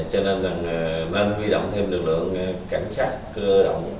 cho nên là nên vi động thêm lực lượng cảnh sát cơ động bảo vệ